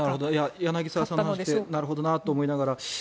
柳澤さんの聞いてなるほどなと思いながら。